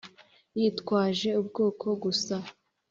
yitwaje ubwoko gusa.